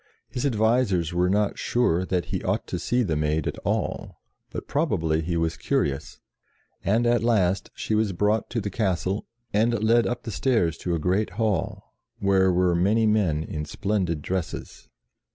His advisers were not sure that he ought to see the Maid at all ; but probably he was curious, and at last she was brought to the castle, and led up the stairs to a great hall, where were many men in splendid dresses.